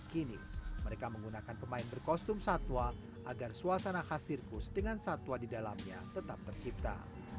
kini mereka menggunakan pemain berkostum satwa agar suasana khas sirkus dengan satwa di dalamnya tetap tercipta